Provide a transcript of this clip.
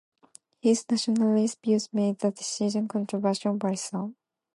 His nationalist views made the decision controversial by some.